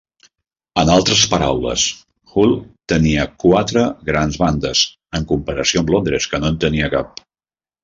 En altres paraules, Hull tenia quatre grans bandes, en comparació amb Londres que no en tenia cap.